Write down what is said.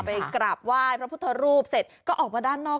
กราบไหว้พระพุทธรูปเสร็จก็ออกมาด้านนอก